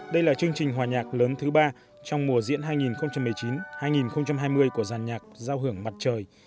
đây là chương trình hòa nhạc lớn thứ ba trong mùa diễn hai nghìn một mươi chín hai nghìn hai mươi của giàn nhạc giao hưởng mặt trời